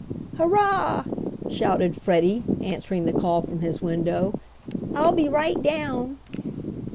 "Hurrah!" shouted Freddie, answering the call from his window, "I'll be right down!"